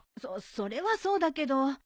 そそれはそうだけど。